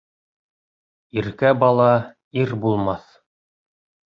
Иркә бала ир булмаҫ.